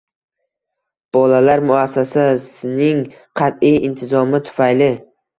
Bolalar muassa-sasining qat’iy intizomi tufayli